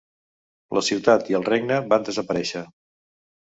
La ciutat i el regne van desaparèixer.